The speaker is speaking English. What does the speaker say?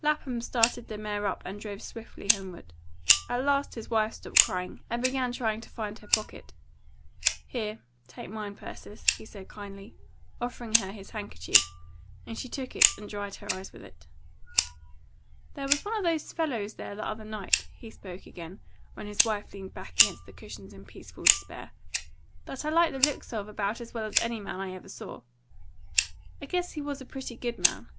Lapham started the mare up and drove swiftly homeward. At last his wife stopped crying and began trying to find her pocket. "Here, take mine, Persis," he said kindly, offering her his handkerchief, and she took it and dried her eyes with it. "There was one of those fellows there the other night," he spoke again, when his wife leaned back against the cushions in peaceful despair, "that I liked the looks of about as well as any man I ever saw. I guess he was a pretty good man.